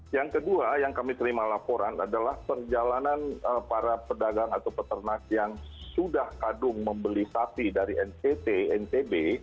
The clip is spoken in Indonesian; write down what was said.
yang kedua yang kami terima laporan adalah perjalanan para pedagang atau peternak yang sudah kadung membeli sapi dari nct ntb